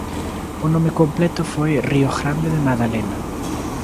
O nome completo foi "Río Grande de la Magdalena".